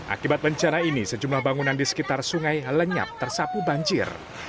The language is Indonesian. akibat bencana ini sejumlah bangunan di sekitar sungai lenyap tersapu banjir